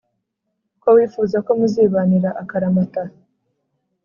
ko wifuza ko muzibanira akaramata,